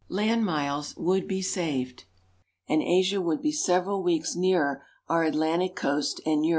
sand miles would be saved, and Asia would be several weeks nearer our Atlantic coast and Europe.